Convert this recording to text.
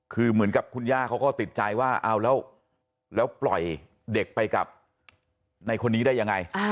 คือเหมือนกับคุณย่าเขาก็ติดใจว่าเอาแล้วปล่อยเด็กไปกับในคนนี้ได้ยังไง